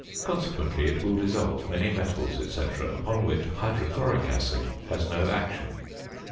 Consequently it will dissolve many metals, &c., upon which hydrochloric acid has no action.